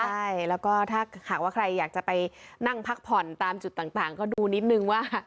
ใช่แล้วก็ถ้าหากว่าใครอยากจะไปนั่งพักผ่อนตามจุดต่างก็ดูนิดนึงว่า